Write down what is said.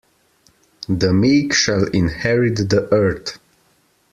The meek shall inherit the earth.